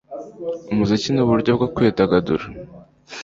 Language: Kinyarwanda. Umuziki nuburyo bwo kwidagadura